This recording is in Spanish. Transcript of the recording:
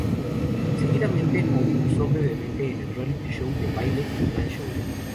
Seguidamente concursó brevemente en el reality show de baile "El gran show".